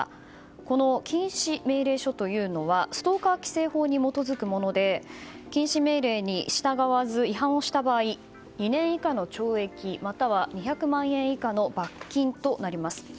この禁止命令書というのはストーカー規制法に基づくもので禁止命令に従わず違反をした場合２年以下の懲役または２００万円以下の罰金となります。